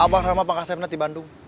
abah ramah pangkaset nanti bandung